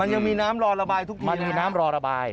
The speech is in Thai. มันยังมีน้ำรอระบายทุกทีนะครับมันยังมีน้ำรอระบาย